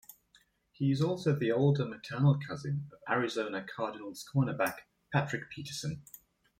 He is also the older maternal cousin of Arizona Cardinals cornerback Patrick Peterson.